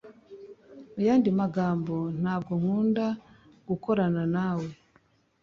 Muyandi magambo ntabwo nkunda gukorana nawe